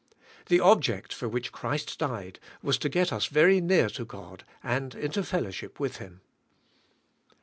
The object for which Christ died was to get us very near to God and into fellowship with Him.